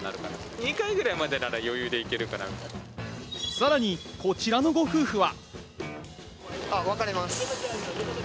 さらに、こちらのご夫婦は。